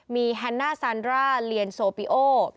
มีแฮนน่าซานร่าเลียนโซปิโอ